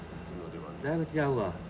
だいぶ違うわ。